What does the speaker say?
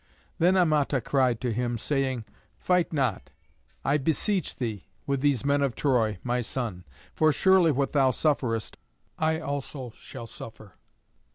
Then Amata cried to him, saying, "Fight not, I beseech thee, with these men of Troy, my son; for surely what thou sufferest I also shall suffer.